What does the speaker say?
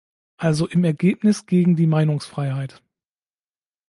Also im Ergebnis gegen die Meinungsfreiheit.